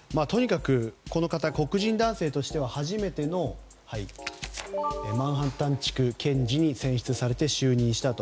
この方黒人男性としては初めてのマンハッタン地区検事に選出されて就任したと。